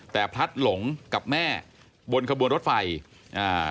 แต่พลัดหลงกับแม่บนขบวนรถไฟอ่า